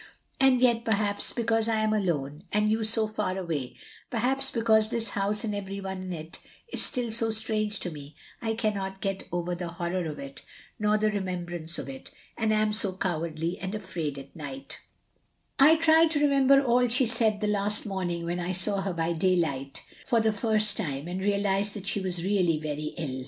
And yet, perhaps because I am alone, and you so far away — perhaps because this house and every one in it is still so strange to me — I cannot get over the horror of it, nor the remembrance of it — and am so cowardly and afraid at night — OF GROSVENOR SQUARE 6i "/ try to remember all she said that last morning when I saw her by daylight for the first time, and realised that she was really very ill.